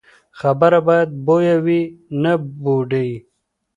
خبره باید بویه وي، نه بوډۍ.